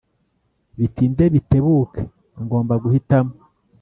bitinde bitebuke ngomba guhitamo